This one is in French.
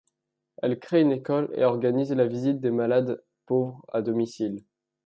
Elle crée une école et organise la visite des malades pauvres à domicile.